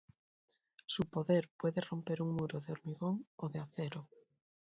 Su poder puede romper un muro de hormigón o de acero.